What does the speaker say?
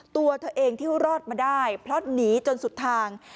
ตัวเธอเองที่รอดมาได้เพราะหนีจนสุดทาง